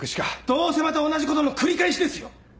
どうせまた同じことの繰り返しですよ！